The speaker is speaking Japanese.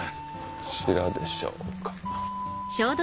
こちらでしょうか。